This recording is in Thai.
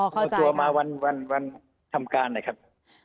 อ๋อเข้าใจครับเอาตัวมาวันทำการนะครับ